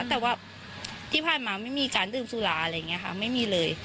แต่ว่าที่ผ่านมาไม่มีการดื่มสุราอะไรอย่างนี้ค่ะไม่มีเลย